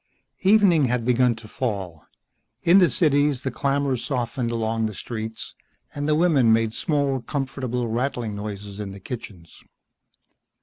Evening had begun to fall. In the cities the clamor softened along the streets, and the women made small, comfortable, rattling noises in the kitchens.